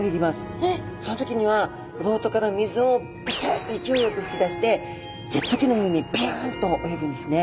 その時には漏斗から水をブシュッと勢いよくふき出してジェット機のようにビュンと泳ぐんですね。